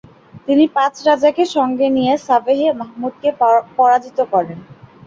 তিনি "পাচ রাজা"কে সঙ্গে নিয়ে সাভেহে মাহমুদকে পরাজিত করেন।